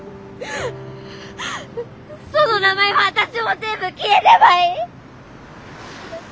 その名前も私も全部消えればいい！